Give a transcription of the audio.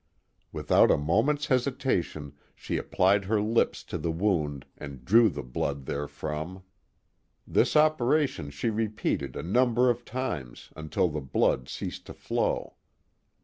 " Without a .moment's hesitation she applied her lips to the wound and drew the blood therefrom. This operation she repeated a number of times, until the blood ceased to flow.